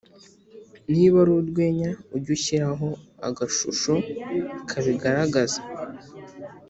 niba ari urwenya ujye ushyiraho agashusho kabigaragaza